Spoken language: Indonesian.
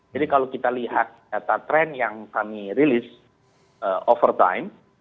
jadi kalau kita lihat data tren yang kami rilis over time